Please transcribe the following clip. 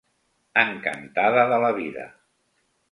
Encantada de la vida.